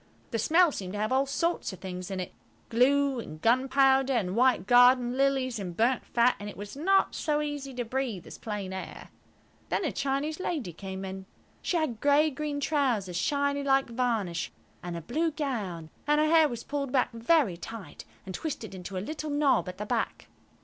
The smell seemed to have all sorts of things in it–glue and gunpowder, and white garden lilies and burnt fat, and it was not so easy to breathe as plain air. Then a Chinese lady came in. She had green grey trousers, shiny like varnish, and a blue gown, and her hair was pulled back very tight, and twisted into a little knob at the back.